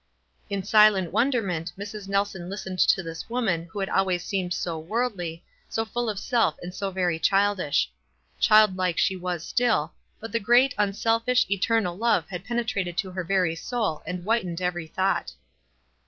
In silent wonderment Mrs. Nelson listened to this woman who had always seemed so worldly, so full of self and so very childish. Childlike she was still, but the great, unselfish, eternal love had penetrated to her very soul and whitened every thought.